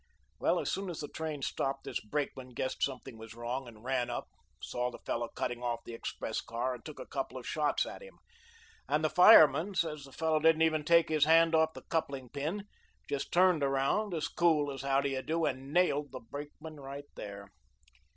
Well, as soon as the train stopped, this brakeman guessed something was wrong and ran up, saw the fellow cutting off the express car and took a couple of shots at him, and the fireman says the fellow didn't even take his hand off the coupling pin; just turned around as cool as how do you do and NAILED the brakeman right there.